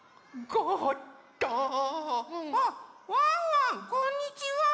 あっワンワンこんにちは！